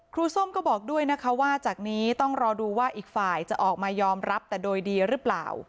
ส้มก็บอกด้วยนะคะว่าจากนี้ต้องรอดูว่าอีกฝ่ายจะออกมายอมรับแต่โดยดีหรือเปล่า